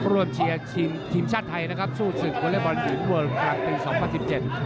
ร่วมเชียร์ทีมชาติไทยนะครับสู้สึกวอเล็ตบอลหญิงเวิลคลักษณ์ปี๒๐๑๗